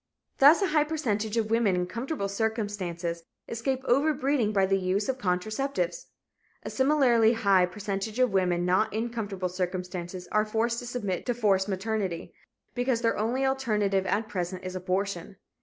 Thus a high percentage of women in comfortable circumstances escape overbreeding by the use of contraceptives. A similarly high percentage of women not in comfortable circumstances are forced to submit to forced maternity, because their only alternative at present is abortion.